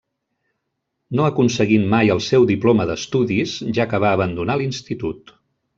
No aconseguint mai el seu diploma d'estudis, ja que va abandonar l'institut.